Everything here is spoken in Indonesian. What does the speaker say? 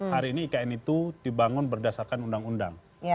hari ini ikn itu dibangun berdasarkan undang undang